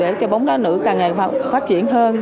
để cho bóng đá nữ càng ngày phát triển hơn